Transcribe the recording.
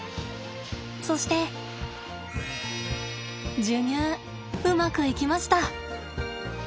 そして授乳うまくいきました。